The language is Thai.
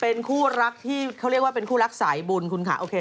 เป็นคู่รักที่เขาเรียกว่าเป็นคู่รักสายบุญคุณค่ะโอเค